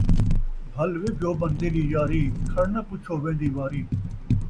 بھل وے جوبن تیݙی یاری، کھڑ ناں پچھو ویندی واری